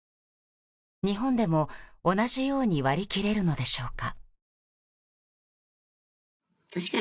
日本でも同じように割り切れるのでしょうか。